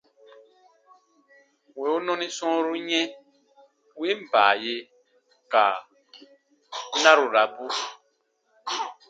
Wì u nɔni sɔ̃ɔbu yɛ̃, win baaye ka narurabu.